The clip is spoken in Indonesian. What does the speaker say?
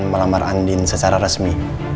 melamar andin secara resmi